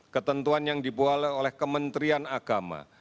ketentuan yang dibuat oleh kementerian agama